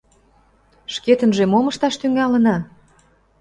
Шкетынже мом ышташ тӱҥалына?